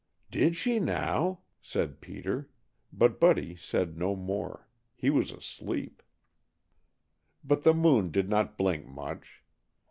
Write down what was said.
"Did she, now?" said Peter, but Buddy said no more. He was asleep. But the moon did not blink much.